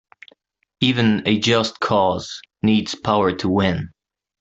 Even a just cause needs power to win.